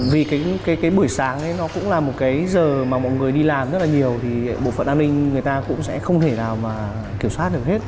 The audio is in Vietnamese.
vì cái bữa sáng nó cũng là cái giờ mà mọi người đi làm rãi nhiều thì bộ phận an ninh sẽ không thể kiểm soát được hết